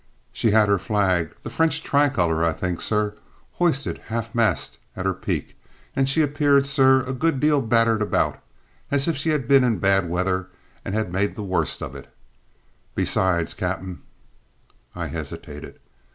"She had her flag, the French tricolour, I think, sir, hoisted half mast at her peak; and she appeared, sir, a good deal battered about, as if she had been in bad weather and had made the worst of it. Besides, cappen " I hesitated.